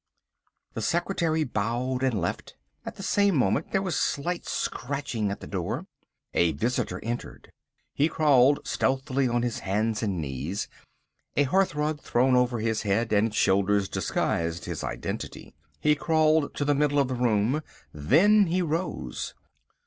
The secretary bowed and left. At the same moment there was slight scratching at the door. A visitor entered. He crawled stealthily on his hands and knees. A hearthrug thrown over his head and shoulders disguised his identity. He crawled to the middle of the room. Then he rose.